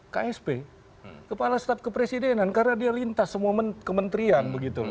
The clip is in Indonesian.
ksp kepala staf kepresidenan karena dia lintas semua kementerian begitu